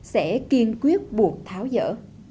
sẽ kiên quyết buộc tháo dỡ